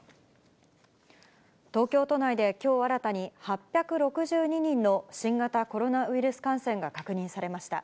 東京都内で、きょう新たに８６２人の新型コロナウイルス感染が確認されました。